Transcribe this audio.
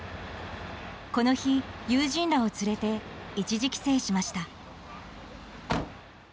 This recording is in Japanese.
この日、友人らを連れて一時帰省しました。